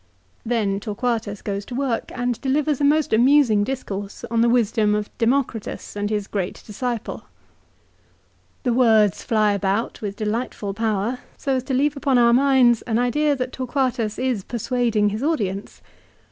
" l Then Torquatus goes to work and delivers a most amusing discourse on the wisdom of Demo critus and his great disciple. The words fly about with delightful power, so as to leave upon our minds an idea that Torquatus is persuading his audience.